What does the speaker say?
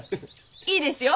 いいですよ。